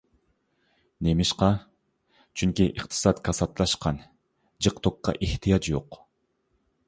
نېمىشقا؟ چۈنكى ئىقتىساد كاساتلاشقان، جىق توكقا ئېھتىياج يوق.